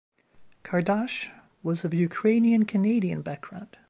Kardash was of Ukrainian Canadian background.